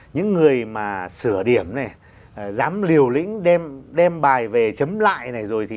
những người mà sửa điểm này dám liều lĩnh đem bài về chấm lại này rồi